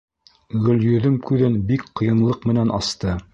Гөлйөҙөм күҙен бик ҡыйынлыҡ менән асты.